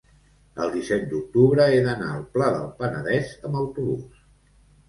el disset d'octubre he d'anar al Pla del Penedès amb autobús.